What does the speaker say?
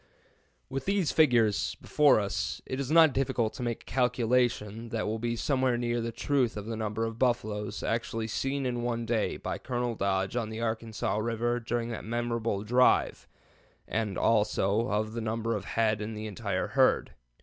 With these figures before us, it is not difficult to make a calculation that will be somewhere near the truth of the number of buffaloes actually seen in one day by Colonel Dodge on the Arkansas River during that memorable drive, and also of the number of head in the entire herd.